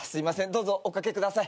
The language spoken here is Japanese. どうぞお掛けください。